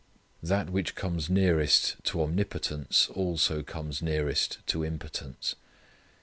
That which comes nearest to omnipotence also comes nearest to impotence.